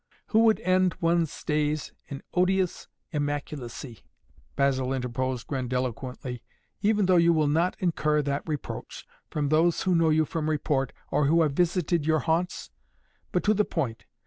"Who would end one's days in odious immaculacy," Basil interposed grandiloquently, "even though you will not incur that reproach from those who know you from report, or who have visited your haunts? But to the point.